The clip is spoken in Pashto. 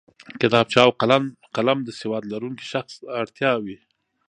کتابچه او قلم د سواد لرونکی شخص اړتیا وي